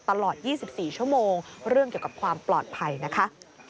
ตลอด๒๔ชั่วโมงเรื่องเกี่ยวกับความปลอดภัยนะคะ